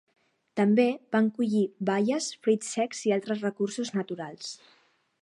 També van collir baies, fruits secs i altres recursos naturals.